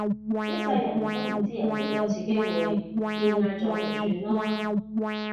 一世人都唔知有幾多次機會見嗌咗咪算囉